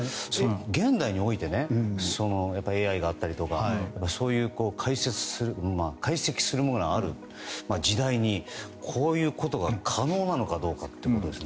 現代だとＡＩがあったりとかそういう堆積するものがある時代にこういうことが可能なのかということです。